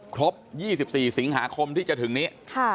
ครบ๒๔สิงหาคมที่จะถึงนี้